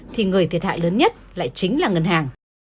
thì người thiệt hại lớn nhất lại chính là ngân hàng